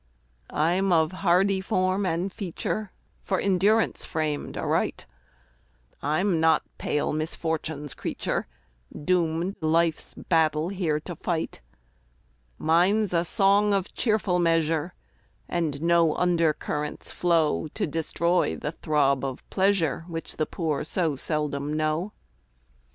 I'm of hardy form and feature, For endurance framed aright; I'm not pale misfortune's creature, Doomed life's battle here to fight: Mine's a song of cheerful measure, And no under currents flow To destroy the throb of pleasure Which the poor so seldom know.